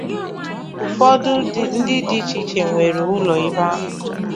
ụfọdụ ndị dị iche iche nwere ụlọ ebe ahụ